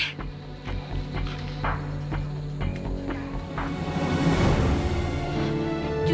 naik kuda deh